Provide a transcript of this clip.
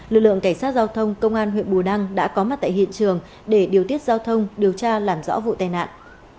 lực lượng cảnh sát giao thông công an huyện bù đăng đã có mặt tại hiện trường để điều tiết giao thông điều tra làm rõ vụ tai nạn